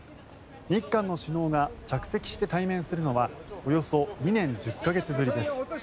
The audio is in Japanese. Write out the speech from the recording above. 日韓の首脳が着席して対面するのはおよそ２年１０か月ぶりです。